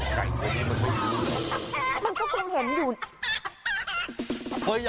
โทษเลย